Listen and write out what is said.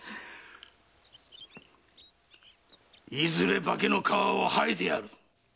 いずれ化けの皮を剥いでやる。